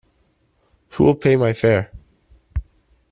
Who will pay my fare?